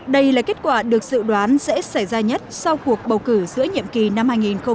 đây là kết quả được dự đoán sẽ xảy ra nhất sau cuộc bầu cử giữa nhiệm kỳ năm hai nghìn hai mươi sáu